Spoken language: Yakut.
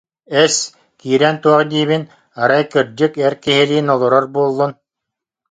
Эс, киирэн туох диибин, арай, кырдьык, эр киһилиин олорор буоллун